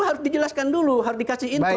harus dijelaskan dulu harus dikasih input